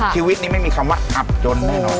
ชีวิตนี้ไม่มีคำว่าอับจนแน่นอน